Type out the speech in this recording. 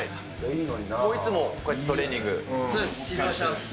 いつもこうやってトレーニングを。